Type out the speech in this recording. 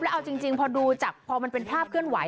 เอาจริงพอดูจากพอมันเป็นภาพเคลื่อนไห